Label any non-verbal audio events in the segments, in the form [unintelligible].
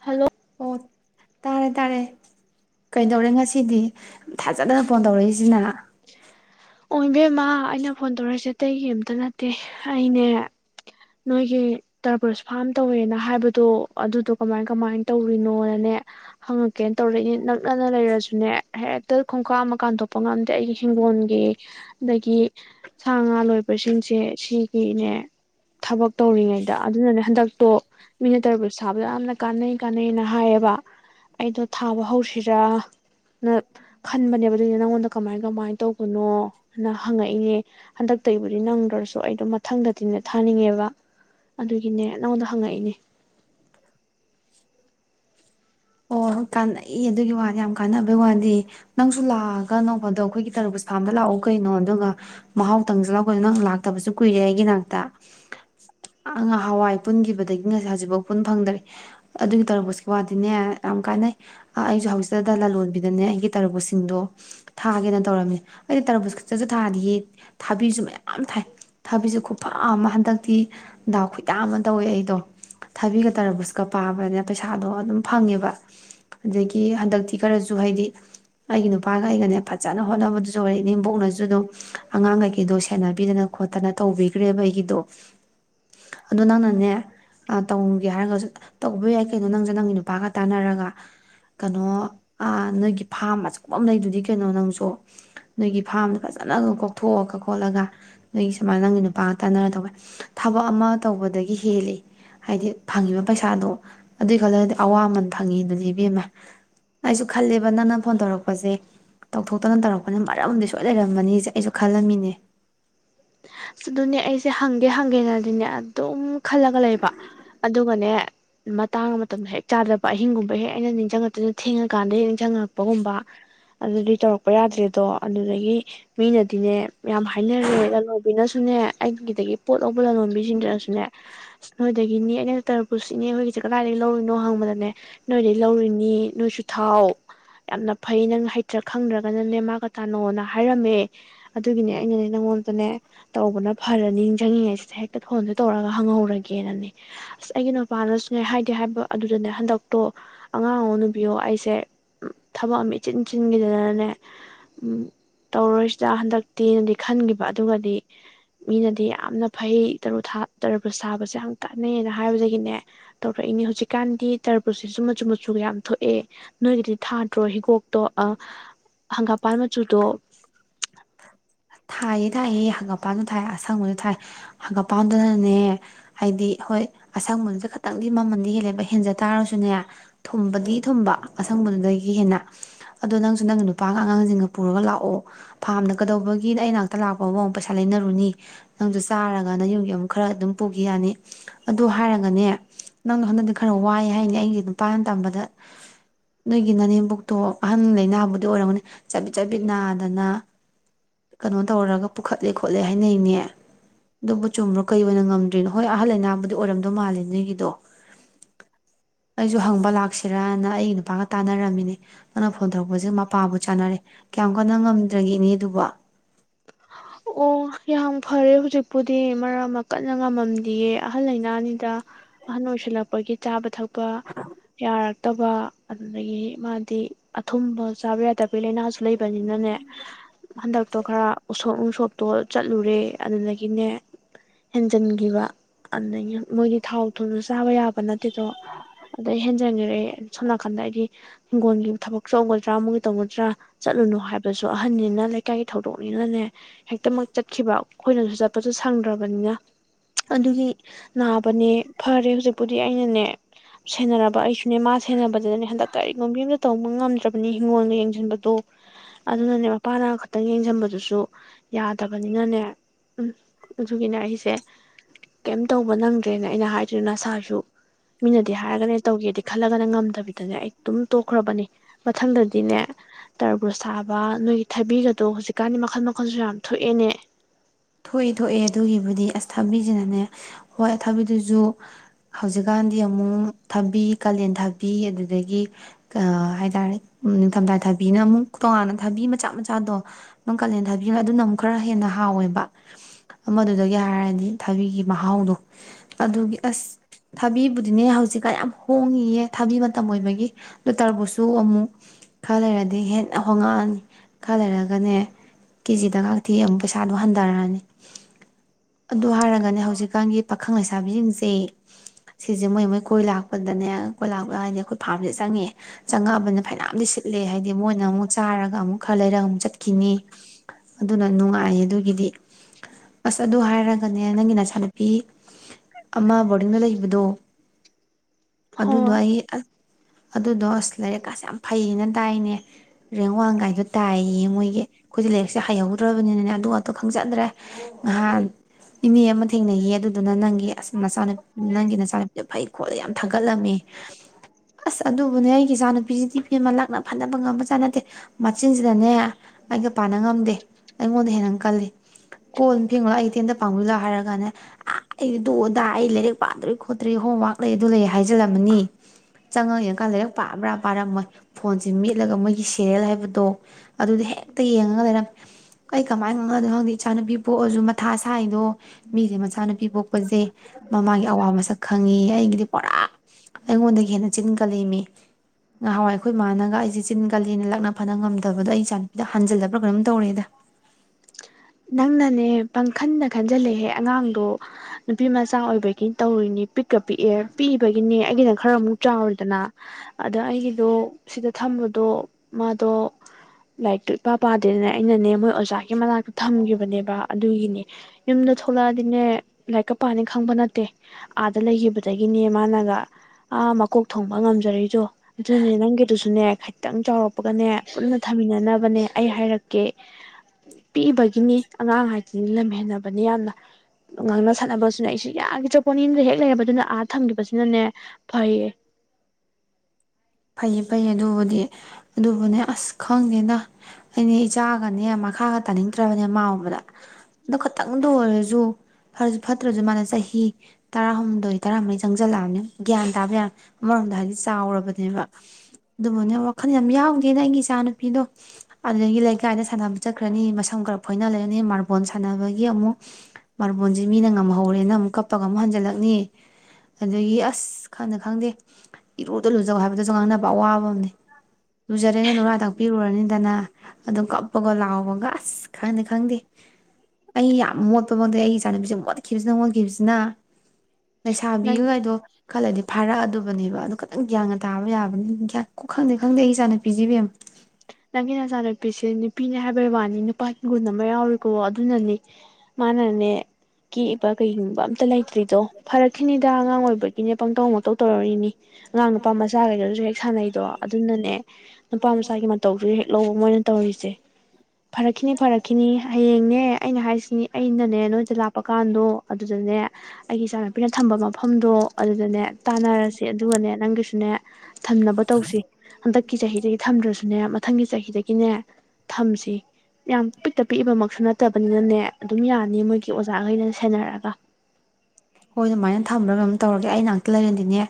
Hello ꯇꯥꯔꯦ-ꯇꯥꯔꯦ ꯀꯩꯗꯧꯔꯦ ꯉꯁꯤꯗꯤ ꯊꯥꯖꯗꯅ ꯐꯣꯟ ꯇꯧꯔꯛꯏꯖꯤꯅ ꯑꯣ ꯏꯕꯦꯝꯃ ꯑꯩꯅ ꯐꯣꯟ ꯇꯧꯔꯛꯏꯁꯦ ꯑꯇꯩꯒꯤ ꯑꯝꯇ ꯅꯠꯇꯦ ꯑꯩꯅꯦ ꯅꯣꯏꯒꯤ ꯇꯔꯄ꯭ꯔꯁ ꯐꯥꯝ ꯇꯧꯋꯦꯅ ꯍꯥꯏꯕꯗꯣ ꯑꯗꯨꯗꯣ ꯀꯃꯥꯏ-ꯀꯃꯥꯏꯅ ꯇꯧꯔꯤꯅꯣꯅꯅꯦ ꯍꯪꯉꯛ ꯀꯦꯟ ꯇꯧꯔꯛꯏ ꯅꯛꯅꯅ ꯂꯩꯔꯁꯨꯅꯦ ꯍꯦꯛꯇ ꯈꯣꯡꯀꯥꯞ ꯑꯃ ꯀꯥꯟꯊꯣꯛ ꯄꯣꯉꯥꯝꯗꯦ ꯑꯩꯒꯤ ꯍꯤꯡꯒꯣꯟꯒꯤ ꯑꯗꯒꯤ ꯁꯥ ꯉꯥ ꯂꯣꯏꯕꯁꯤꯡꯖꯦ ꯁꯤꯒꯤꯅꯦ ꯊꯕꯛ ꯇꯧꯔꯤꯉꯩꯗ ꯑꯗꯨꯅꯅꯦ ꯍꯟꯗꯛꯇꯣ ꯃꯤꯅ ꯇꯔꯕꯨꯁ ꯁꯥꯕꯗ ꯌꯥꯝꯅ ꯀꯥꯟꯅꯩ-ꯀꯥꯅꯩꯅ ꯍꯥꯏꯌꯦꯕ ꯑꯩꯗꯣ ꯊꯥꯕ ꯍꯧꯁꯤꯔꯥ ꯅꯠ ꯈꯟꯕꯅꯦꯕ ꯑꯗꯨꯏꯅꯦ ꯅꯪꯉꯣꯟꯗ ꯀꯃꯥꯏ-ꯀꯃꯥꯏ ꯇꯧꯕꯅꯣ ꯑꯗꯨꯅ ꯍꯪꯉꯛꯏꯅꯦ ꯍꯟꯗꯛꯇꯩꯕꯨꯗꯤ ꯅꯪꯗ꯭ꯔꯁꯨ ꯑꯩꯗꯣ ꯃꯊꯪꯗꯗꯤꯅꯦ ꯊꯥꯅꯤꯡꯉꯦꯕ ꯑꯗꯨꯒꯤꯅꯦ ꯅꯉꯣꯟꯗ ꯍꯪꯉꯛꯏꯅꯦ ꯑꯣ ꯍꯣ ꯀꯥꯟꯅꯩ ꯑꯗꯨꯒꯤ ꯋꯥꯗꯤ ꯌꯥꯝ ꯀꯥꯟꯅꯕꯩ ꯋꯥꯗꯤ ꯅꯪꯁꯨ ꯂꯥꯛꯑꯒ ꯅꯣꯡ ꯐꯥꯗꯣꯛ ꯑꯩꯈꯣꯏꯒꯤ ꯇꯥꯔꯥꯕꯨꯁ ꯐꯥꯝꯗ ꯂꯥꯛꯎ ꯀꯩꯅꯣ ꯑꯗꯨꯒ ꯃꯍꯥꯎꯇꯪꯖꯦ ꯂꯥꯛꯑꯣ ꯅꯪ ꯂꯥꯛꯇꯕꯁꯨ ꯀꯨꯏꯔꯦ ꯑꯩꯒꯤ ꯅꯥꯛꯇ ꯉꯥꯍꯥꯟꯋꯥꯏ ꯄꯨꯟꯈꯤꯕꯗꯒꯤ ꯉꯁ ꯍꯧꯖꯤꯛꯐꯥꯎ ꯄꯨꯟ ꯐꯪꯗꯔꯤ ꯑꯗꯨꯒꯤ ꯇꯔꯕꯨꯁꯀꯤ ꯋꯥꯗꯤꯅꯦ ꯌꯥꯝ ꯀꯥꯟꯅꯩ ꯑꯩꯖꯨ ꯍꯧꯖꯤꯛꯗ ꯂꯥꯂꯣꯟꯕꯤꯗꯅꯦ ꯑꯩꯒꯤ ꯇꯔꯕꯨꯁꯁꯤꯡꯗꯣ ꯊꯥꯒꯦꯅ ꯇꯧꯔꯝꯅꯦ ꯑꯩꯗꯤ ꯇꯔꯕꯨꯁ ꯈꯛꯇꯁꯨ ꯊꯥꯗꯤꯌꯦ ꯊꯥꯕꯤꯁꯨ ꯃꯌꯥꯝ ꯊꯥꯏ ꯊꯥꯕꯤꯁꯨ ꯈꯨꯐꯥ ꯑꯃ ꯍꯟꯗꯛꯇꯤ ꯗꯥꯎ ꯈꯨꯗꯥ ꯑꯃ ꯇꯧꯋꯦ ꯑꯩꯗꯣ ꯊꯥꯕꯤꯒ ꯇꯔꯕꯨꯁꯀ ꯄꯥꯕꯅ ꯄꯩꯁꯥꯗꯣ ꯑꯗꯨꯝ ꯐꯪꯉꯦꯕ ꯑꯗꯒꯤ ꯍꯟꯗꯛꯇꯤ ꯈꯔꯁꯨ ꯍꯥꯏꯗꯤ ꯑꯩꯒꯤ ꯅꯨꯄꯥꯒ ꯑꯩꯒꯅꯦ ꯐꯖꯅ ꯍꯣꯠꯅꯕꯗꯨꯖꯨ ꯏꯅꯦꯝꯕꯣꯛꯅꯁꯨ ꯑꯗꯨꯝ ꯑꯉꯥꯡꯀꯩꯀꯩꯗꯣ ꯁꯦꯟꯅꯕꯤꯗꯅ ꯈꯣꯠꯇꯅ ꯇꯧꯕꯤꯈ꯭ꯔꯦꯕ ꯑꯩꯒꯤꯗꯣ ꯑꯗꯨꯣ ꯅꯪꯅꯅꯦ ꯑ ꯇꯧꯒꯦ ꯍꯥꯏꯔꯒꯁꯨ ꯇꯧꯕ ꯌꯥꯏ ꯀꯩꯅꯣ ꯅꯪꯖꯨ ꯅꯪꯒꯤ ꯅꯨꯄꯥꯒ ꯇꯥꯟꯅꯔꯒ ꯀꯅꯣ ꯑꯥ ꯅꯣꯏꯒꯤ ꯐꯥꯝ ꯑꯆꯧꯕ ꯑꯃ ꯂꯩꯗꯨꯗꯤ ꯀꯩꯅꯣ ꯅꯪꯖꯨ ꯅꯣꯏꯒꯤ ꯐꯥꯝꯗꯣ ꯐꯖꯅ ꯀꯣꯛꯊꯣꯛꯑꯒ ꯈꯣꯠꯂꯒ ꯅꯣꯏꯒꯤ ꯁꯨꯃꯥꯏꯅ ꯅꯪꯒꯤ ꯅꯨꯄꯥꯒ ꯇꯥꯟꯅꯔ ꯇꯧꯕ ꯌꯥꯏ ꯊꯕꯛ ꯑꯃ ꯇꯧꯕꯗꯒꯤ ꯍꯦꯜꯂꯤ ꯍꯥꯏꯗꯤ ꯐꯪꯉꯤꯕ ꯄꯩꯁꯥꯗꯣ ꯑꯗꯨꯏ ꯈꯜꯂꯒꯗꯤ ꯑꯋꯥꯃꯟ ꯐꯪꯉꯤꯗꯨꯅꯤ ꯏꯕꯦꯝꯃꯥ ꯑꯩꯁꯨ ꯈꯜꯂꯦꯕ ꯅꯪꯅ ꯐꯣꯟ ꯇꯧꯔꯛꯄꯖꯦ ꯇꯧꯊꯣꯛꯇꯅ ꯇꯧꯔꯛꯄꯅꯤ ꯃꯔꯝ ꯑꯝꯗꯤ ꯁꯣꯏ ꯂꯩꯔꯝꯃꯅꯤꯖꯤ ꯑꯩꯖꯨ ꯈꯜꯂꯝꯃꯤꯅꯦ ꯍꯪꯒꯦ-ꯍꯪꯒꯦꯅꯗꯤꯅꯦ ꯑꯗꯨꯝ ꯈꯜꯂꯒ ꯂꯩꯕ ꯑꯗꯨꯒꯅꯦ ꯃꯥꯇꯥꯡ-ꯃꯇꯝ ꯍꯦꯛ ꯆꯥꯗ꯭ꯔꯕ ꯑꯍꯤꯡꯒꯨꯝꯕ ꯍꯦꯛ ꯑꯩꯅ ꯅꯤꯡꯖꯤꯡꯉꯛꯇꯅ ꯊꯦꯡꯉꯀꯥꯟꯗ ꯆꯪꯉꯥꯛꯄꯒꯨꯝꯕ ꯑꯗꯨꯗꯤ ꯇꯧꯔꯛꯄ ꯌꯥꯗ꯭ꯔꯦꯗꯣ ꯑꯗꯨꯗꯒꯤ ꯃꯤꯅꯗꯤꯅꯦ ꯌꯥꯝ ꯍꯥꯏꯅꯔꯦ ꯂꯥꯂꯣꯟ ꯁꯤꯗꯁꯨꯅꯦ ꯑꯩꯒꯤꯗꯒꯤ ꯄꯣꯠ ꯂꯧꯕ ꯂꯂꯣꯟꯕꯤꯖꯤꯡꯗꯨꯅꯖꯨꯅꯦ ꯅꯣꯏꯗꯒꯤꯅꯦ ꯅꯦꯛꯑꯒ ꯇꯔꯕꯨꯁ ꯏꯅꯦ ꯍꯣꯏꯒꯤꯖꯦ ꯀꯗꯥꯏꯗꯒꯤ ꯂꯧꯔꯨꯏꯅꯣ ꯍꯪꯕꯗꯅꯦ ꯅꯣꯏꯗꯩ ꯂꯧꯔꯨꯏꯅꯤ ꯅꯣꯏꯁꯨ ꯊꯥꯎ ꯌꯥꯝꯅ ꯐꯩ ꯅꯪꯅ ꯍꯩꯇ꯭ꯔ ꯈꯪꯗ꯭ꯔꯒꯅꯅꯦ ꯃꯥꯒ ꯇꯥꯅꯧꯅ ꯍꯥꯏꯔꯝꯃꯦ ꯑꯗꯨꯒꯤꯅꯦ ꯑꯩꯅꯅꯦ ꯅꯪꯉꯣꯟꯗꯅꯦ ꯇꯧꯕꯅ ꯐꯔꯅꯤ ꯅꯤꯡꯖꯪꯡꯉꯤꯉꯩꯁꯤꯗ ꯍꯦꯛꯇ ꯐꯣꯟꯗꯣꯆꯆꯆꯆ ꯇꯧꯔꯒ ꯍꯪꯍꯧꯔꯒꯦꯅꯅꯦ ꯑꯁ ꯑꯩꯒꯤ ꯅꯨꯄꯥꯅꯁꯨꯅꯦ ꯍꯥꯏꯗꯤ ꯍꯥꯏꯕ ꯑꯗꯨꯗꯅꯦ ꯍꯟꯗꯛꯇꯣ ꯑꯉꯥꯡꯑꯣ ꯅꯨꯕꯤꯌꯣ ꯑꯩꯁꯦ ꯎꯝ ꯊꯕꯛ ꯑꯃ ꯏꯆꯤꯟ ꯆꯤꯟꯒꯤꯗꯅꯅꯦ ꯎꯝ ꯇꯧꯔꯣꯏꯁꯤꯗ ꯍꯟꯗꯛꯇꯤꯅꯗꯤ ꯈꯟꯒꯤꯕ ꯑꯗꯨꯒꯗꯤ ꯃꯤꯅꯗꯤ ꯌꯥꯝꯅ ꯐꯩ ꯇꯔꯨ ꯊꯥ ꯇꯔꯨꯛ ꯇꯔꯕꯨꯖ ꯁꯥꯕꯁꯦ ꯌꯥꯝ ꯀꯥꯅꯩꯅ ꯍꯥꯏꯕꯗꯒꯤꯅꯦ ꯇꯧꯔꯛꯏꯅꯦ ꯍꯧꯖꯤꯛꯀꯥꯟꯗꯤ ꯇꯔꯕꯨꯖꯁꯤꯁꯨ ꯃꯆꯨ ꯃꯆꯨꯒ ꯌꯥꯝ ꯊꯣꯛꯑꯦ ꯅꯣꯏꯒꯤꯗꯤ ꯊꯥꯗ꯭ꯔꯣ ꯍꯤꯒꯣꯛ ꯇꯣ ꯑ ꯍꯪꯒꯥꯄꯥꯟ ꯃꯆꯨꯗꯣ ꯊꯥꯏꯌꯦ ꯊꯥꯏꯌꯦ ꯍꯪꯒꯄꯥꯟꯁꯨ ꯊꯥꯏ ꯑꯁꯪꯕꯁꯨ ꯊꯥꯏ꯫ ꯍꯪꯒꯥꯄꯥꯟꯗꯨꯅꯅꯦ ꯍꯥꯏꯗꯤ ꯍꯣꯏ ꯑꯁꯪꯕꯗꯨꯁꯨ ꯈꯤꯇꯪꯗꯤ ꯃꯃꯟꯗꯤ ꯍꯦꯜꯂꯦꯕ ꯍꯦꯟꯖ ꯇꯥꯔꯁꯨꯅꯦ ꯊꯨꯝꯕꯗꯤ ꯊꯨꯝꯕ ꯑꯁꯪꯕꯗꯨꯗꯒꯤ ꯍꯦꯟꯅ ꯑꯗꯣ ꯅꯪꯁꯨ ꯅꯪ ꯅꯨꯄꯥꯒ ꯑꯉꯥꯡꯁꯤꯡꯒ ꯄꯨꯔꯒ ꯂꯥꯛꯑꯣ꯫ ꯐꯥꯔꯝꯗ ꯀꯩꯗꯧꯕꯒꯤꯅ ꯑꯩ ꯅꯥꯛꯇ ꯂꯥꯛꯄꯕꯨ ꯑꯃꯨꯛ ꯄꯩꯁꯥ ꯂꯩꯅꯔꯨꯅꯤ ꯅꯪꯖꯨ ꯆꯥꯔꯒꯅ ꯅꯌꯨꯝꯒꯤ ꯑꯃꯨꯛ ꯈꯔ ꯑꯗꯨꯝ ꯄꯨꯈꯤ ꯌꯥꯅꯤ꯫ ꯑꯗꯨ ꯍꯥꯏꯔꯒꯅꯦ ꯅꯪꯗꯣ ꯍꯟꯗꯛꯇꯤ ꯈꯔ ꯋꯥꯏ ꯍꯥꯏꯅꯤ ꯑꯩꯒꯤ ꯅꯨꯝꯄꯥꯥꯟꯅ ꯇꯝꯕꯗ ꯅꯣꯏꯒꯤ ꯅꯅꯦꯝꯕꯨꯣꯛꯇꯣ ꯑꯍꯟ ꯂꯩꯅꯥꯕꯨꯗꯤ ꯑꯣꯏꯔꯝꯒꯅꯤ ꯆꯥꯕꯤꯠ - ꯆꯥꯕꯤꯠ ꯅꯥꯗꯅ ꯀꯩꯅꯣ ꯇꯧꯔꯒ ꯄꯨꯈꯠꯂꯦ ꯈꯣꯠꯂꯦ ꯍꯥꯏꯅꯩꯅꯦ ꯑꯗꯨꯕꯨ ꯆꯨꯝꯕ꯭ꯔꯣ, ꯀꯩ ꯑꯣꯏꯅ ꯉꯝꯗ꯭ꯔꯤꯅꫭ ꯍꯣꯏ ꯑꯍꯜ ꯂꯩꯅꯥꯕꯨꯗꯤ ꯑꯣꯏꯔꯝꯗꯧ ꯃꯥꯜꯂꯦ ꯅꯣꯏꯒꯤꯗꯣ, ꯑꯩꯁꯨ ꯍꯪꯕ ꯂꯥꯛꯁꯤꯔꯅ ꯑꯩꯒꯤ ꯅꯨꯄꯥꯒ ꯇꯥꯟꯅꯔꯝꯃꯤꯅꯦ ꯅꯪꯅ ꯐꯣꯟ ꯇꯧꯔꯛꯄꯁꯦ ꯃꯄꯥꯕꯨ ꯆꯥꯅꯔꯦ ꯀꯌꯥꯝ ꯀꯟꯅ ꯉꯝꯗ꯭ꯔꯒꯦꯅꯦ? ꯑꯗꯨꯕꯥ ꯑꯣ ꯌꯥꯝ ꯐꯔꯦ ꯍꯧꯖꯤꯛꯄꯨꯗꯤ ꯃꯔꯛ ꯑꯃ ꯀꯟꯅ ꯉꯝꯃꯝꯗꯤꯌꯦ ꯑꯍꯜ ꯂꯩꯅꯥꯅꯤꯗ ꯑꯍꯟ ꯑꯣꯏꯁꯜꯂꯛꯄꯒꯤ ꯆꯥꯕ ꯊꯛꯄ ꯄ ꯌꯥꯔꯛ ꯇꯕ ꯑꯗꯨꯗꯒꯤ ꯃꯥꯗꯤ ꯑꯊꯨꯝꯕ ꯆꯥꯕ ꯌꯥꯗꯕꯒꯤ ꯂꯥꯏꯅꯥꯁꯨ ꯂꯩꯕꯅꯤꯅꯅꯦ ꯍꯟꯗꯛꯇꯣ ꯈꯔ ꯎꯁꯣꯛ ꯁꯣꯞꯇꯣ ꯆꯠꯂꯨꯔꯦ ꯑꯗꯨꯗꯒꯤꯅꯦ ꯍꯦꯟꯖꯟꯈꯤꯕ ꯑꯗꯒꯤ ꯃꯣꯏꯒꯤ ꯊꯥꯎ ꯊꯨꯝꯁꯨ ꯆꯥꯕ ꯌꯥꯕ ꯅꯠꯇꯦꯗꯣ ꯑꯗꯩ ꯍꯦꯟꯖꯟꯒꯔꯦ ꯫ ꯁꯣꯝ ꯅꯥꯀꯟꯗ ꯑꯩꯗꯤ ꯍꯤꯡꯒꯣꯜꯒꯤ ꯊꯕꯛ ꯆꯧꯒꯗ꯭ꯔꯥ ꯑꯃꯕꯨ ꯇꯧꯒꯗ꯭ꯔꯥ ꯆꯠꯂꯨꯅꯨ ꯍꯥꯏꯕꯁꯨ ꯑꯍꯟꯅꯤꯅ ꯂꯩꯀꯥꯏꯒꯤ ꯊꯧꯗꯣꯛꯅꯤꯅꯅꯦ ꯍꯦꯛꯇꯃꯛ ꯆꯠꯈꯤꯕ꯫ ꯑꯩꯈꯣꯏꯅꯖꯨ ꯆꯠꯄꯖꯨ ꯁꯪꯗ꯭ꯔꯕꯅꯤꯅ ꯑꯗꯨꯒꯤ ꯅꯥꯕꯅꯦ ꯐꯔꯦ ꯍꯧꯖꯤꯛꯄꯨꯗꯤ ꯑꯩꯅꯅꯦ ꯁꯦꯟꯅꯔꯕ ꯑꯩꯁꯨꯅꯦ ꯃꯥ ꯁꯦꯟꯅꯕꯗꯅꯦ ꯍꯟꯗꯛ ꯀꯔꯤꯒꯨꯝꯕ ꯑꯝꯗ ꯇꯧꯕ ꯉꯝꯗ꯭ꯔꯕꯅꯤ ꯍꯤꯡꯒꯣꯜꯒ ꯌꯦꯡꯁꯤꯟꯕꯗꯣ ꯑꯗꯨꯅꯅꯦ ꯃꯄꯥꯅ ꯈꯛꯇꯪ ꯌꯦꯡꯁꯤꯟꯕꯗꯨꯁꯨ ꯌꯥꯗꯕꯅꯤꯅꯅꯦ ꯑꯗꯨꯒꯤꯅꯦ ꯑꯩꯁꯦ ꯀꯩꯝ ꯇꯧꯕ ꯅꯪꯗ꯭ꯔꯦꯅ ꯑꯩꯅ ꯍꯥꯏꯗꯨꯅꯤ ꯅꯁꯖꯨ ꯃꯤꯅꯗꯤ ꯍꯥꯏꯔꯒꯅꯦ ꯇꯧꯒꯦꯗꯤ ꯈꯜꯂꯒꯅ ꯉꯝꯗꯕ꯫ ꯗꯅꯦ ꯑꯩ ꯑꯗꯨꯝ ꯇꯣꯛꯈ꯭ꯔꯕꯅꯤ ꯃꯊꯪꯗꯗꯤꯅꯦ ꯇꯔꯕꯨꯖ ꯊꯥꯕ ꯅꯣꯏꯒꯤ ꯊꯥꯕꯤꯒꯗꯣ ꯍꯧꯖꯤꯛꯀꯥꯟꯗꯤ ꯃꯈꯜ ꯃꯈꯜꯁꯨ ꯌꯥꯝ ꯊꯣꯛꯑꯦꯅꯦ꯫ ꯊꯣꯛꯏ ꯊꯣꯛꯑꯦ ꯑꯗꯨꯒꯤꯕꯨꯗꯤ ꯑꯁ ꯊꯕꯤꯖꯤꯅꯅꯦ ꯍꯣꯏ ꯊꯕꯤꯗꯨꯖꯨ ꯍꯧꯖꯤꯛꯀꯥꯟꯗꯤ ꯑꯃꯨꯛ ꯊꯕꯤ, ꯀꯥꯂꯦꯟ ꯊꯥꯕꯤ ꯑꯗꯨꯗꯒꯤ ꯍꯥꯏ ꯇꯔꯦ ꯅꯤꯡꯊꯝꯊꯥꯏ ꯊꯥꯕꯤꯅ ꯑꯃꯨꯛ ꯇꯣꯉꯥꯟꯅ ꯊꯥꯕꯤ ꯃꯆꯥ ꯃꯆꯥꯗꯣ ꯑꯗꯨꯝ ꯀꯥꯂꯦꯟ ꯊꯥꯕꯤ ꯑꯗꯨꯅ ꯑꯃꯨꯛ ꯈꯔ ꯍꯦꯟꯅ ꯍꯥꯎꯋꯦꯕ꯫ ꯑꯃꯗꯨꯗꯒꯤ ꯍꯥꯏꯔꯗꯤ ꯊꯥꯕꯤꯒꯤ ꯃꯍꯥꯎꯗꯣ ꯑꯗꯨꯒꯤ ꯑꯁ ꯊꯥꯕꯤꯕꯨꯗꯤꯅꯦ ꯍꯧꯖꯤꯛꯀꯥꯟ ꯌꯥꯝ ꯍꯣꯡꯉꯤꯌꯦ ꯊꯥꯕꯤ ꯃꯇꯝ ꯑꯣꯏꯕꯒꯤ ꯑꯗꯨ ꯇꯔꯕꯨꯁ ꯁꯨ ꯑꯃꯨꯛ ꯈꯔ ꯂꯩꯔꯗꯤ ꯍꯦꯟꯅ ꯍꯣꯡꯉꯛꯑꯅꯤ ꯈꯔ ꯂꯩꯔꯒꯅꯦ ꯀꯦꯖꯤꯗ ꯒꯇꯤ ꯑꯃꯨꯛ ꯄꯩꯁꯥꯗꯣ ꯍꯟ ꯇꯥꯔꯅꯤ ꯑꯗꯨ ꯍꯥꯏꯔꯒꯅꯦ ꯍꯧꯖꯤꯛꯀꯥꯟꯒꯤ ꯄꯥꯈꯪ ꯂꯩꯁꯥꯕꯤꯁꯤꯡꯁꯦ ꯁꯤꯁꯦ ꯃꯣꯏ - ꯃꯣꯏ ꯀꯣꯏ ꯂꯥꯛꯄꯗꯅꯦ ꯀꯣꯏ ꯂꯥꯛꯂ ꯍꯥꯏꯗꯤ ꯑꯩꯈꯣꯏ ꯐꯥꯔꯝꯁꯦ ꯆꯪꯉꯛ ꯑꯦ, ꯆꯪꯉꯛꯑꯕꯅꯤ ꯐꯥꯏꯅꯝꯗꯤ ꯁꯤꯠꯂꯦ ꯍꯥꯏꯗꯤ ꯃꯣꯏꯅ ꯑꯃꯨꯛ ꯆꯥꯔꯒ ꯑꯃꯨꯛ ꯈꯔ ꯂꯩꯔꯒ ꯑꯃꯨꯛ ꯆꯠꯈꯤꯅꯤ ꯑꯗꯨꯅ ꯅꯨꯡꯉꯥꯏꯌꯦ ꯑꯗꯨꯒꯤꯗꯤ꯫ ꯑꯁ ꯑꯗꯨ ꯍꯥꯏꯔꯒꯅꯦ ꯅꯪꯒꯤ ꯅꯆꯥꯅꯨꯄꯤ ꯑꯃ ꯕꯣꯔꯗꯤꯡꯗ ꯂꯩꯕꯗꯣ ꯑꯗꯨꯗꯣ ꯍꯣꯏ ꯑꯩ ꯑꯁ ꯑꯗꯨꯗꯣ ꯑꯁ ꯂꯥꯏꯔꯤꯛꯀꯥꯁꯦ ꯌꯥꯝ ꯐꯩꯌꯦꯅ ꯇꯥꯏꯅꯦ ꯔꯦꯡ ꯋꯥꯡ ꯀꯥꯏꯗꯣ ꯇꯥꯏꯌꯦ ꯃꯣꯏꯒꯤ ꯑꯩꯈꯣꯏꯗꯤ ꯂꯥꯏꯔꯤꯛꯁꯦ ꯍꯩꯍꯧꯗ꯭ꯔꯕꯅꯤꯅꯅꯦ ꯑꯗꯨ ꯑꯇꯣꯞꯄ ꯈꯪꯖꯗ꯭ꯔꯦ ꯉꯍꯥꯟ ꯏꯅꯦ ꯑꯃ ꯊꯦꯡꯅꯩꯌꯦ ꯑꯗꯨꯗꯨꯅ ꯅꯪꯒꯤ ꯑꯁ ꯅꯆꯥꯅꯨꯄꯤ ꯅꯪꯒꯤ ꯅꯆꯥꯅꯨꯄꯤꯗꯣ ꯐꯩ ꯈꯣꯠꯂ ꯌꯥꯝ ꯊꯥꯒꯠꯂꯝꯃꯤ ꯑꯁ ꯑꯗꯨꯕꯨꯅꯦ ꯑꯩꯒꯤ ꯏꯆꯥꯅꯨꯄꯤꯁꯤꯗꯤ ꯏꯕꯦꯝꯃꯥ ꯂꯥꯛꯅ ꯐꯅꯕ ꯉꯝꯕꯖꯥꯠ ꯅꯠꯇꯦ ꯃꯆꯤꯟꯖꯤꯅꯥꯅꯦ ꯑꯩꯒ ꯄꯥꯅ ꯉꯝꯗꯦ ꯑꯩꯉꯣꯟꯗ ꯍꯦꯟꯅ ꯀꯜꯂꯤ꯫ ꯀꯣꯜ ꯐꯦꯡꯂꯒ ꯑꯩꯒꯤ ꯏꯇꯦꯡ ꯄꯥꯡꯕꯤꯒꯗꯔꯥ ꯍꯥꯏꯔꯒꯅꯦ ꯑꯥ ꯑꯩ ꯑꯗꯨ ꯑꯗ ꯑꯩ ꯂꯥꯏꯔꯤꯛ ꯄꯗꯨꯔꯤ ꯈꯣꯠꯇꯨꯔꯤ ꯍꯣꯝꯋꯔꯀ ꯂꯩ ꯑꯗꯨ ꯂꯩ ꯍꯥꯏꯖꯜꯂꯝꯃꯅꯤ, ꯆꯪꯉꯥꯒꯥ ꯌꯦꯡꯉꯥꯀꯥꯟꯗ ꯂꯥꯏꯔꯤꯛ ꯄꯥꯕꯔꯥ ꯄꯥꯔꯝ ꯃꯣꯏ ꯐꯣꯟꯁꯤ ꯃꯦꯠꯂꯒ ꯃꯣꯏꯒꯤ ꯁꯦꯔꯦꯜ ꯍꯥꯏꯕꯗꯣ ꯑꯗꯨꯗ ꯍꯦꯛꯇ ꯌꯦꯡꯉꯒ ꯂꯩꯔꯝꯃꯦ ꯑꯩ ꯀꯃꯥꯏꯅ ꯉꯪꯅꯗꯣꯏꯅꯣ ꯈꯪꯗꯦ꯫ ꯏꯆꯥꯅꯨꯄꯤ ꯄꯣꯛꯑꯁꯨ ꯃꯊꯥ ꯁꯥꯏꯗꯣ ꯃꯤꯁꯦ ꯃꯆꯥꯅꯨꯄꯤ ꯄꯤꯕꯣꯛꯄꯖꯦ ꯃꯃꯥꯒꯤ ꯑꯋꯥ ꯃꯁꯛ ꯈꯪꯉꯤ ꯑꯩꯒꯤꯗꯤ ꯄꯨꯔꯥ ꯑꯩꯉꯣꯟꯗꯒꯤ ꯍꯦꯟꯅ ꯆꯤꯟ ꯀꯜꯂꯤꯃꯤ ꯉꯍꯥꯟꯋꯥꯏ ꯑꯩꯈꯣꯏ ꯏꯃꯥꯅꯒ ꯑꯩꯁꯦ ꯆꯤꯟ ꯀꯜꯂꯤꯅ ꯂꯛꯅ ꯐꯅ ꯉꯝꯗꯕꯗꯣ ꯏꯆꯥ ꯅꯨꯨꯄꯤꯗ ꯍꯟꯖꯤꯜꯂꯕ꯭ꯔꯥ ꯀꯩꯅꯣꯝ ꯇꯧꯔꯦꯗ꯫ ꯅꯪꯅꯅꯦ ꯄꯪꯈꯟꯅ ꯈꯟꯖꯤꯜꯂꯍꯦ ꯑꯉꯥꯡꯗꯣ ꯅꯨꯄꯤ ꯃꯆꯥ ꯑꯣꯏꯕꯒꯤ ꯇꯧꯔꯤꯅꯤ ꯄꯤꯛꯀ ꯄꯤꯛꯑꯦ ꯄꯤꯛꯏꯕꯒꯤꯅꯦ ꯑꯩꯒꯤꯅ ꯈꯔ ꯑꯃꯨꯛ ꯆꯥꯎꯔꯤꯗꯅ ꯑꯗ ꯑꯩꯒꯤꯗꯣ ꯁꯤꯗ ꯊꯝꯕꯗꯣ ꯃꯥꯗꯣ ꯂꯥꯏꯔꯤꯛꯇꯣ ꯏꯄꯥ ꯄꯥꯗꯦꯗꯅ ꯑꯩꯅꯅꯦ ꯃꯣꯏ ꯑꯣꯖ ꯖꯥꯒꯤ ꯃꯅꯥꯛꯇ ꯊꯝꯈꯤꯕꯅꯦꯕ ꯑꯗꯨꯒꯤꯅꯦ ꯌꯨꯝꯗ ꯊꯣꯛꯂꯛꯑꯗꯤꯅꯦ ꯂꯥꯏꯔꯤꯛꯀ ꯄꯥꯅꯤ ꯈꯪꯕ ꯅꯠꯇꯦ ꯑꯥꯗ ꯂꯩꯈꯤꯕꯗꯒꯤꯅꯦ ꯃꯥꯅꯒ ꯑꯥ ꯃꯀꯣꯛ ꯊꯣꯡꯕ ꯉꯝꯖꯔꯤꯗꯣ ꯑꯗꯨꯅꯅꯦ ꯅꯪꯒꯤꯗꯨꯁꯨꯅꯦ ꯈꯤꯇꯪ ꯆꯥꯎꯔꯛꯄꯒꯅꯦ ꯄꯨꯟꯅ ꯊꯝꯃꯤꯟꯅꯅꯕꯅꯦ ꯑꯩ ꯍꯥꯏꯔꯛꯀꯦ꯫ ꯄꯤꯛꯕꯒꯤꯅꯤ ꯑꯉꯥꯡ ꯍꯥꯏꯁꯤꯅꯤ ꯂꯝꯍꯦꯟꯅꯕꯅꯤ ꯌꯥꯝꯅ ꯉꯥꯡꯅ ꯁꯥꯟꯅꯕꯁꯨꯅꯦ ꯑꯩꯁꯨ ꯌꯥꯈꯤꯗ꯭ꯔꯄꯣꯅꯤꯗ ꯍꯦꯛ ꯂꯩꯔꯕꯗꯨꯅ ꯑꯥ ꯊꯝꯈꯤꯕꯁꯤꯅꯅꯦ ꯐꯩꯌꯦ꯫ ꯐꯩꯌꯦ- ꯐꯩꯌꯦ ꯑꯗꯨꯕꯨꯗꯤ ꯑꯗꯨꯕꯨꯅꯦ ꯑꯁ ꯈꯪꯗꯦꯅ ꯑꯩꯅꯦ ꯏꯆꯥꯒꯅꯦ ꯃꯈꯥꯒ ꯇꯥꯅꯤꯡꯗ꯭ꯔꯕꯅꯦ ꯃꯥ ꯎꯕꯗ ꯑꯗꯣ ꯈꯇꯪꯗ ꯑꯣꯏꯔꯖꯨ ꯐꯔꯥꯖꯨ - ꯐꯠꯇ꯭ꯔꯖꯨ ꯃꯥꯖꯦ ꯆꯍꯤ ꯇꯔꯥꯍꯨꯝꯗꯣꯏ - ꯇꯔꯥꯃꯔꯤ ꯆꯪꯖꯜꯂꯛꯅꯤ ꯒ꯭ꯌꯥꯟ ꯇꯥꯕ ꯌꯥ ꯑꯃꯔꯣꯝꯗ ꯍꯥꯏꯗꯤ ꯆꯥꯎꯔꯕꯅꯦꯕ꯫ ꯑꯗꯨꯕꯨꯅꯦ ꯋꯥꯈꯜ ꯌꯥꯝ ꯌꯥꯎꯗꯦꯅ ꯑꯩꯒꯤ ꯏꯆꯥ ꯅꯨꯨꯄꯤꯗꯣ꯫ ꯑꯗꯨꯗꯒꯤ ꯂꯩꯀꯥꯏꯗ ꯁꯥꯟꯅꯕ ꯆꯠꯈ꯭ꯔꯅꯤ ꯃꯁꯝ ꯈꯔ ꯐꯣꯏꯅ ꯂꯩꯔꯅꯤ ꯃꯥꯔꯕꯣꯜ ꯁꯥꯟꯅꯕꯒꯤ ꯑꯃꯨꯛ ꯃꯥꯔꯕꯣꯜꯁꯦ ꯃꯤꯅ ꯉꯝꯍꯧꯔꯦꯅ ꯑꯃꯨꯛ ꯀꯞꯄꯒ ꯑꯃꯨꯛ ꯍꯟꯖꯤꯜꯂꯛꯅꯤ ꯑꯗꯨꯗꯒꯤ ꯑꯁ ꯈꯪꯅ ꯈꯪꯗꯦ ꯏꯔꯨꯗ ꯂꯨꯖꯧ ꯍꯥꯏꯕ ꯑꯗꯨꯁꯨ ꯉꯥꯡꯅꯕ ꯑꯋꯥꯕ ꯑꯃꯅꯤ ꯂꯨꯖꯔꯦꯅꯦ ꯅꯨꯔꯥ ꯇꯥꯛꯄꯤꯔꯨꯔꯅꯤꯗꯅ ꯑꯗꯨꯝ ꯀꯞꯄꯒ ꯂꯥꯎꯕꯒ ꯑꯁ ꯈꯪꯗꯦ - ꯈꯪꯗꯦ ꯑꯩ ꯌꯥꯝ ꯃꯣꯠꯄ ꯉꯗꯦ ꯑꯩ ꯏꯆꯥꯅꯨꯄꯤꯁꯦ ꯃꯣꯠꯈꯤꯕꯁꯤꯅ - ꯃꯣꯠꯈꯤꯕꯁꯤꯅ꯫ ꯅꯪ ꯂꯩꯁꯥꯕꯤꯒꯒꯗꯣ ꯈꯂꯩꯔꯗꯤ ꯐꯥꯔꯛꯑꯗꯨꯕꯅꯦꯕ ꯑꯗꯨ ꯈꯤꯇꯪ ꯒꯌꯥꯟ ꯇꯥꯕ ꯌꯥꯕꯅꯤ ꯒꯌꯥ ꯀꯣꯛ ꯈꯪꯗꯦ - ꯈꯪꯗꯦ ꯑꯩ ꯏꯆꯥꯅꯨ ꯄꯤꯖꯦ ꯏꯕꯦꯃꯃꯥ꯫ ꯅꯪꯒꯤ ꯅꯆꯥꯅꯨꯄꯤꯁꯦ ꯅꯨꯄꯤꯅꯦ ꯍꯥꯏꯕꯩ ꯋꯥꯅꯤ ꯅꯨꯄꯥ ꯒꯨꯟ ꯑꯃ ꯌꯥꯎꯔꯤꯀꯣ ꯑꯗꯨꯅꯅꯦ ꯃꯥꯅꯅꯦ ꯀꯦꯛꯏꯕ ꯀꯩꯒꯨꯝꯕ ꯑꯝꯇ ꯂꯩꯇ꯭ꯔꯤꯗꯣ ꯐꯔꯛꯈꯤꯅꯤꯗ ꯑꯉꯥꯡ ꯑꯣꯏꯕꯒꯤꯅꯦ ꯄꯪꯇꯧ - ꯃꯥꯇꯧ ꯇꯧꯔꯛꯔꯤꯅꯤ꯫ ꯑꯉꯥꯡ ꯅꯨꯄꯥ ꯃꯆꯥꯈꯩꯩꯒꯁꯨ ꯍꯦꯛ ꯁꯥꯟꯅꯩꯗꯣ ꯑꯗꯨꯅꯅꯦ꯫ ꯅꯨꯄꯥ ꯃꯆꯥꯒꯤ ꯃꯥ ꯇꯧꯗꯨ ꯍꯦꯛ ꯂꯧꯕ ꯃꯣꯏꯅ ꯇꯧꯔꯤꯁꯦ, ꯐꯔꯛꯈꯤꯅꯤ- ꯐꯔꯛꯈꯤꯅꯤ ꯍꯌꯦꯡꯅꯦ ꯑꯩꯅ ꯍꯥꯏꯁꯤꯅꯤ ꯑꯩꯅꯅꯦ ꯅꯣꯏꯗ ꯂꯥꯛꯄ ꯀꯥꯟꯗꯣ ꯑꯗꯨꯗꯅꯦ ꯑꯩꯒꯤ ꯏꯆꯥꯅꯨꯄꯤꯅ ꯊꯝꯕ ꯃꯐꯝꯗꯣ ꯑꯗꯨꯗꯅꯦ ꯇꯥꯟꯅꯔꯁꯤꯦ ꯑꯗꯨꯒꯅꯦ ꯅꯪꯒꯤꯁꯨ [unintelligible] ꯊꯝꯅꯕ ꯇꯧꯁꯤ ꯍꯟꯗꯛꯀꯤ ꯆꯍꯤꯗꯒꯤ ꯊꯝꯗ꯭ꯔꯁꯨ ꯑꯗꯨꯅꯦ ꯃꯊꯪꯒꯤ ꯆꯍꯤꯗꯒꯤꯅꯦ ꯊꯝꯁꯤ ꯌꯥꯝ ꯄꯤꯛꯇ ꯄꯤꯛꯏꯕꯃꯛꯁꯨ ꯅꯠꯇꯕꯅꯤꯅꯅꯦ ꯑꯗꯨꯝ ꯌꯥꯅꯤ ꯃꯣꯏꯒꯤ ꯑꯣꯖꯥꯒꯩꯅ ꯁꯦꯟꯅꯔꯛꯒ꯫ ꯍꯣꯏ ꯑꯗꯨꯃꯥꯏꯅ ꯊꯝꯃꯒ ꯇꯧꯔꯒꯦ ꯑꯩ ꯉꯥꯛꯇ ꯂꯩꯔꯗꯤꯅꯦ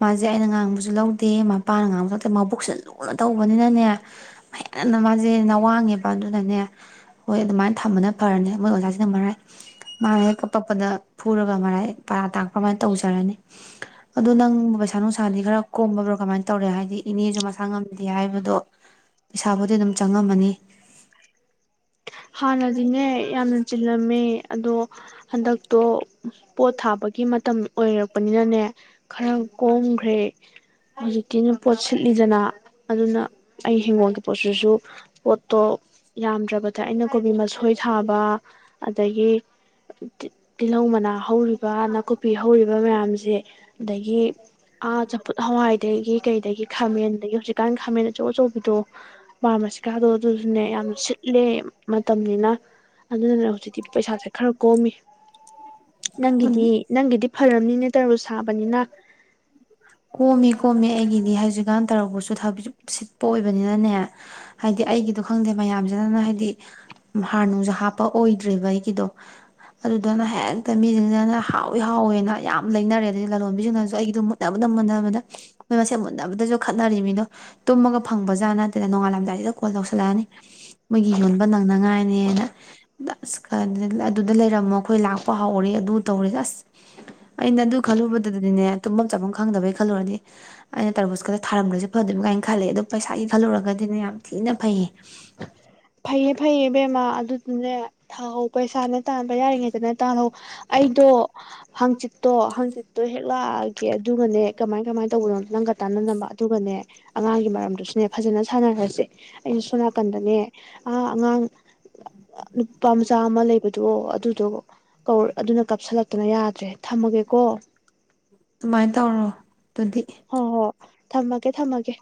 ꯃꯥꯁꯦ ꯑꯩꯅ ꯉꯥꯡꯕꯁꯨ ꯂꯧꯗꯦ ꯃꯄꯥꯅ ꯉꯥꯡꯕꯁꯨ ꯂꯧꯗꯦ ꯃꯥꯕꯨꯛꯁꯦ ꯂꯨꯅ ꯇꯧꯕꯅꯤꯅꯅꯦ ꯃꯅ ꯃꯥꯁꯦꯅ ꯋꯥꯡꯉꯦꯕ ꯑꯗꯨꯅꯅꯦ ꯍꯣꯏ ꯑꯗꯨꯃꯥꯏꯅ ꯊꯝꯕꯅ ꯐꯔꯅꯦ ꯃꯣꯏ ꯑꯣꯖꯥꯁꯤꯅ ꯃꯔꯥꯏ ꯃꯥꯅ ꯍꯦꯛ ꯀꯄꯛꯄꯗ ꯐꯨꯔꯒ ꯃꯔꯥꯏ ꯄ ꯗꯝ ꯑꯃꯥꯏꯅ ꯇꯧꯖꯔꯅꯤ ꯑꯗꯨ ꯅꯪ ꯄꯩꯁꯥ ꯅꯨꯡꯁꯥꯗꯤ ꯈꯔ ꯀꯣꯝꯕꯕ꯭ꯔꯣ ꯀꯃꯥꯏꯅ ꯇꯧꯔꯦ ꯍꯥꯏꯗꯤ ꯏꯅꯦꯁꯨ ꯃꯁꯥ ꯉꯝꯗꯦ ꯍꯥꯏꯕꯗꯣ ꯄꯩꯁꯥꯕꯨꯗꯤ ꯑꯗꯨꯝ ꯆꯪꯉꯝꯃꯅꯤ ꯍꯥꯟꯅꯗꯤꯅꯦ ꯌꯥꯝꯅ ꯆꯤꯜꯂꯝꯃꯦ ꯑꯗꯣ ꯍꯟꯗꯛꯇꯣ ꯄꯣꯠ ꯊꯥꯕꯒꯤ ꯃꯇꯝ ꯑꯣꯏꯔꯛꯄꯅꯤꯅꯅꯦ ꯈꯔ ꯀꯣꯝꯈ꯭ꯔꯦ ꯍꯧꯖꯤꯛꯇꯀꯤꯅ ꯄꯣꯠ ꯁꯤꯠꯂꯤꯗꯅ ꯑꯗꯨꯅ ꯑꯩ ꯍꯤꯡꯒꯣꯜꯒꯤ ꯄꯣꯠꯁꯤꯁꯨ ꯄꯣꯠꯇꯣ ꯌꯥꯝꯗ꯭ꯔꯕ ꯑꯗ ꯑꯩꯅ ꯀꯣꯕꯤ ꯃꯁꯣꯏ ꯊꯥꯕ ꯑꯗꯒꯤ ꯇꯤꯜꯍꯧ ꯃꯅꯥ ꯍꯧꯔꯤꯕ ꯅꯥꯀꯨꯞꯄꯤ ꯍꯧꯔꯤꯕ ꯃꯌꯥꯝꯁꯦ ꯑꯗꯒꯤ ꯑꯥ ꯆꯝꯐꯨꯠ ꯍꯋꯥꯏꯗꯒꯤ ꯀꯩꯗꯒꯤ ꯈꯥꯃꯦꯟꯗꯒꯤ ꯍꯧꯖꯤꯛꯀꯥꯟ ꯈꯥꯃꯦꯟ ꯑꯆꯧ ꯑꯆꯧꯕꯤꯗꯣ ꯃꯥ ꯃꯁꯤꯀꯥꯗꯣ ꯑꯗꯨꯗꯨꯅꯦ ꯌꯥꯝ ꯁꯤꯠꯂꯦ ꯃꯇꯝꯅꯤꯅ ꯑꯗꯨꯅꯅ ꯍꯧꯖꯤꯛꯇꯤ ꯄꯩꯁꯥꯁꯦ ꯈꯔ ꯀꯣꯝꯃꯤ ꯅꯪꯒꯤꯗꯤ ꯅꯪꯒꯤꯗꯤ ꯐꯔꯅꯤꯅꯦ ꯇꯔꯕꯨꯁꯨ ꯁꯥꯕꯅꯤꯅ ꯀꯣꯝꯃꯤ ꯀꯣꯝꯃꯤ ꯑꯩꯒꯤꯗꯤ ꯍꯧꯖꯤꯛꯀꯥꯟ ꯇꯧꯔꯛꯄꯁꯨ ꯊ ꯁꯤꯠꯄ ꯑꯣꯏꯕꯅꯤꯅꯅꯦ ꯍꯥꯏꯗꯤ ꯑꯩꯒꯤꯗꯣ ꯈꯪꯗꯦ ꯃꯌꯥꯝꯁꯤꯅꯅ ꯍꯥꯏꯗꯤ ꯍꯥꯔꯅꯨꯡꯁꯨ ꯍꯥꯞꯄ ꯑꯣꯏꯗ꯭ꯦꯕ ꯑꯩꯒꯤꯗꯣ ꯑꯗꯨꯗꯨꯅ ꯍꯦꯛꯇ ꯃꯤꯁꯤꯡꯁꯤꯅ ꯍꯥꯎꯋꯤ ꯍꯥꯎꯋꯦꯅ ꯌꯥꯝ ꯂꯩꯅꯔꯦ ꯑꯗꯗꯤ ꯂꯂꯣꯟꯕꯤꯁꯤꯡꯅꯁꯨ ꯑꯩꯒꯤꯗꯣ ꯃꯨꯟꯅꯕꯗ ꯃꯨꯟꯅꯕꯗ ꯃꯣꯏ ꯃꯁꯦ ꯃꯨꯟꯅꯕꯗꯁꯨ ꯈꯠꯅꯔꯤꯃꯤꯗꯣ ꯇꯨꯝꯃꯒ ꯐꯪꯕꯖꯥꯠ ꯅꯠꯇꯦꯅ ꯅꯣꯡꯉꯥꯜꯂꯝꯗꯥꯏꯁꯤꯗ ꯀꯣꯜ ꯇꯧꯁꯤꯜꯂꯛꯑꯅꯤ ꯃꯣꯏꯒꯤ ꯌꯣꯟꯕ ꯅꯪꯅꯉꯥꯏꯅꯦꯅ ꯑꯁ ꯈ ꯑꯗꯨꯗ ꯂꯩꯔꯝꯃꯣ ꯑꯩꯈꯣꯏ ꯂꯥꯛꯄ ꯍꯧꯥꯎꯔꯦ ꯑꯗꯨ ꯇꯧꯔꯦ ꯑꯁ ꯑꯩꯅ ꯑꯗꯨ ꯈꯜꯂꯨꯕꯗꯗꯤꯅꯦ ꯆꯥꯐꯝ ꯈꯪꯗꯕꯩ ꯈꯜꯂꯨꯔꯗꯤ ꯑꯩꯅ ꯇꯔꯣꯁꯀꯗ ꯊꯥꯔꯝꯒ꯭ꯔꯁꯦ ꯐꯗꯣꯏꯅꯤ ꯀꯥꯏꯅ ꯈꯜꯂꯦ ꯑꯗꯣ ꯄꯩꯁꯥꯒꯤ ꯈꯜꯂꯨꯔꯒꯗꯤꯅꯦ ꯌꯥꯝ ꯊꯤꯅ ꯐꯩꯌꯦ ꯐꯩꯌꯦ ꯐꯩꯌꯦ ꯏꯕꯦꯝꯃꯥ ꯑꯗꯨꯗꯨꯅꯦ ꯊꯥꯎ ꯄꯩꯁꯥꯅ ꯇꯥꯟꯕ ꯌꯥꯔꯤꯉꯩꯗꯅ ꯇꯥꯜꯍꯧ ꯑꯩꯗꯣ ꯍꯥꯡꯆꯤꯠꯇꯣ ꯍꯥꯡꯆꯤꯠꯇꯣ ꯍꯦꯛ ꯂꯥꯛꯑꯒꯦ ꯑꯗꯨꯒꯅꯦ ꯀꯃꯥꯏ ꯀꯃꯥꯏꯅ ꯇꯧꯕꯅꯣ ꯅꯪꯒ ꯇꯥꯟꯅꯅꯕ ꯑꯗꯨꯒꯅꯦ ꯑꯉꯥꯡꯒꯤ ꯃꯔꯝꯗꯨꯁꯨꯅꯦ ꯐꯖꯅ ꯁꯥꯟꯅꯈꯔꯁꯦ ꯑꯁꯨ ꯁꯣꯝ ꯅꯥꯀꯟꯗꯅꯦ ꯑ ꯑꯉꯥꯡ ꯅꯨꯄꯥ ꯃꯆꯥ ꯑꯃ ꯂꯩꯕꯗꯣ ꯑꯗꯨ ꯑꯗꯨ ꯀꯧ ꯑꯗꯨꯅ ꯀꯥꯞꯁꯤꯜꯂꯛꯇꯅ ꯌꯥꯗ꯭ꯔꯦ ꯊꯝꯃꯒꯦꯀꯣ ꯁꯗꯨꯃꯥꯏꯅ ꯇꯧꯔꯣ ꯇꯗꯤ ꯍꯣꯏ ꯍꯣꯏ ꯊꯝꯃꯒꯦ ꯊꯝꯃꯒꯦ